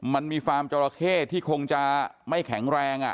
มันมีฟาร์มจราเข้ที่คงจะไม่แข็งแรง